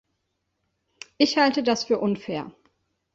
Ich halte das für unfair.